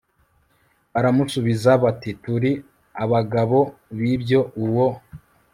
baramusubiza bati Turi abagabo b ibyo Uwo